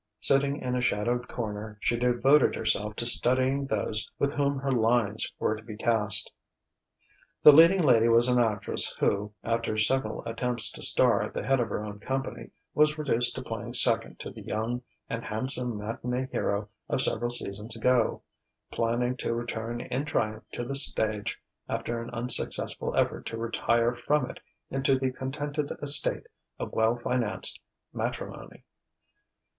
Sitting in a shadowed corner, she devoted herself to studying those with whom her lines were to be cast. The leading lady was an actress who, after several attempts to star at the head of her own company, was reduced to playing second to the young and handsome matinée hero of several seasons ago, planning to return in triumph to the stage after an unsuccessful effort to retire from it into the contented estate of well financed matrimony.